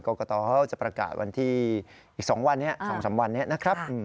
ก็กระต่อจะประกาศวันที่อีก๒๓วันนะครับ